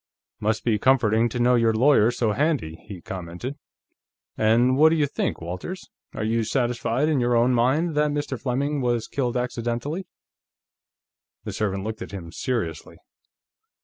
"Must be comforting to know your lawyer's so handy," he commented. "And what do you think, Walters? Are you satisfied, in your own mind, that Mr. Fleming was killed accidentally?" The servant looked at him seriously.